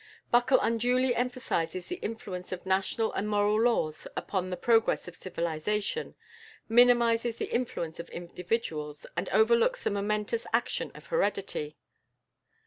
Buckle unduly emphasises the influence of national and moral laws upon the progress of civilisation, minimises the influence of individuals, and overlooks the momentous action of heredity.